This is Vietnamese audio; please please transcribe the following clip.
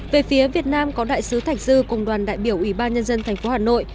về phía việt nam có đại sứ thạch dư cùng đoàn đại biểu ủy ban nhân dân thành phố hà nội